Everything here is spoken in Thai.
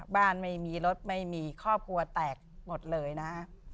บ้านไม่มีรถไม่มีครอบครัวแตกหมดเลยนะฮะ